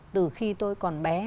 từ khi tôi còn bé